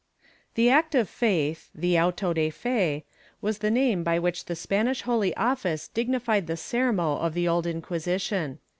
The Act of Faith — the Auto de Fe — was the name by which the Spanish Holy Office dignified the Sermo of the Old Inquisition.